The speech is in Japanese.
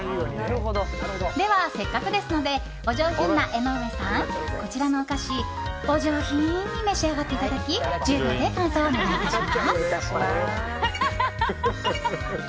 では、せっかくですのでお上品な江上さんこちらのお菓子お上品に召し上がっていただき失礼いたします。